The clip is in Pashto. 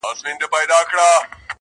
• دا سیکي چلېږي دا ویناوي معتبري دي..